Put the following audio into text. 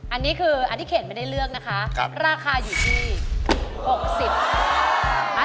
อันนี้คืออันที่เขตไม่ได้เลือกนะคะราคาอยู่ที่๖๐บาท